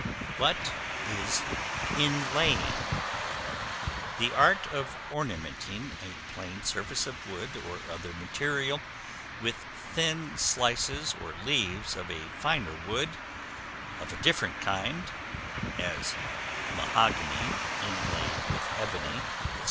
What is Inlaying? The art of ornamenting a plain surface of wood, or other material, with thin slices or leaves of a finer wood, of a different kind; as mahogany inlaid with ebony, &c.